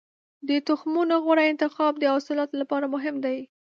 د تخمونو غوره انتخاب د حاصلاتو لپاره مهم دی.